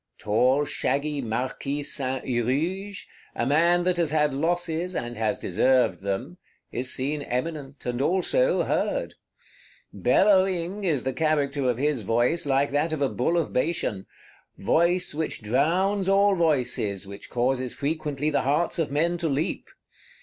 Tall shaggy Marquis Saint Huruge, a man that has had losses, and has deserved them, is seen eminent, and also heard. "Bellowing" is the character of his voice, like that of a Bull of Bashan; voice which drowns all voices, which causes frequently the hearts of men to leap.